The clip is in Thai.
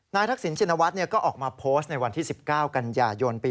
ทักษิณชินวัฒน์ก็ออกมาโพสต์ในวันที่๑๙กันยายนปี๒๕